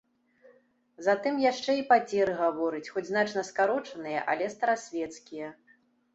Затым яшчэ і пацеры гаворыць, хоць значна скарочаныя, але старасвецкія.